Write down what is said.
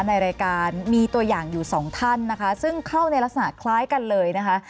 ในรายการมีตัวอย่างอยู่สองท่านนะคะซึ่งเข้าในลักษณะคล้ายกันเลยนะคะ